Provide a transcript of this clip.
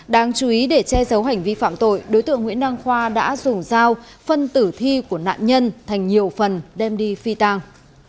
đáng chú ý để che giấu hành vi phạm tội đối tượng nguyễn đăng khoa đã dùng dao phân tử thi của nạn nhân thành nhiều phần đem đi phi tàng